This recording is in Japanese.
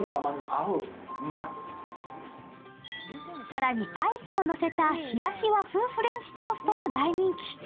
更にアイスを乗せた冷やし和風フレンチトーストも大人気。